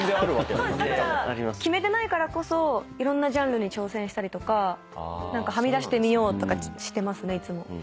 だから決めてないからこそいろんなジャンルに挑戦したりとかはみ出してみようとかしてますねいつも。